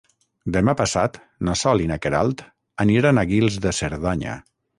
Demà passat na Sol i na Queralt aniran a Guils de Cerdanya.